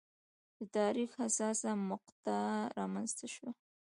د تاریخ حساسه مقطعه رامنځته شوه.